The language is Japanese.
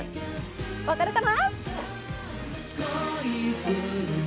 分かるかな？